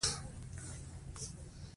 الوتکه په هوا کې پر میقات تېرېږي.